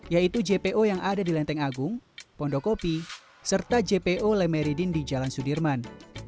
yaitu jpo yang ada di lenteng agung pondokopi serta jpo lemeridin di jalan sudirman